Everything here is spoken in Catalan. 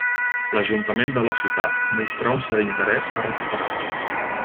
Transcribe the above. L'ajuntament de la ciutat mostrà un cert interès a recuperar-lo.